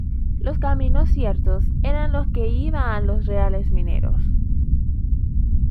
Los caminos ciertos eran los que iban a los reales mineros.